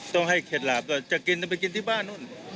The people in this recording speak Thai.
ต้องให้เคล็ดหลับจะไปกินที่บ้านนู้น